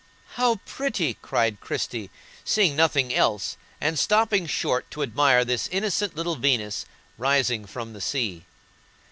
"How pretty!" cried Christie, seeing nothing else and stopping short to admire this innocent little Venus rising from the sea.